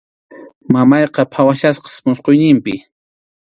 Mamayqa phawachkasqas musquyninpi.